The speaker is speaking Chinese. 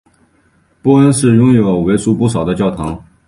波恩市拥有为数不少的教堂。